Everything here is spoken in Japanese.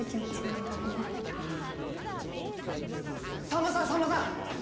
さんまさんさんまさん！